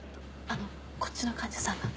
あのこっちの患者さんが。